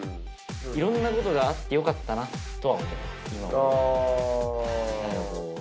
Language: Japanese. いろんなことがあってよかったなとは思う。